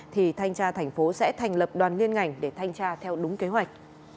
thì thanh tra thành phố sẽ thành lập đoàn liên ngành để thanh tra theo đúng kế hoạch